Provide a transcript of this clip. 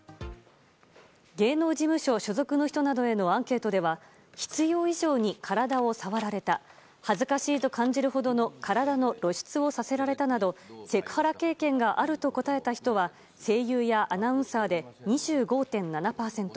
芸能事務所所属の人のアンケートなどでは必要以上に体を触られた恥ずかしいと感じるほどの体の露出をさせられたなどセクハラ経験があると答えた人は声優やアナウンサーで２５．７％。